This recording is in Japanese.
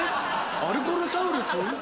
アルコールサウルス？